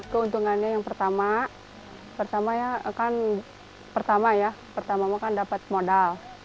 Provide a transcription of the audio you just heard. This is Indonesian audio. keuntungannya yang pertama pertama ya kan dapat modal